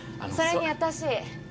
それに私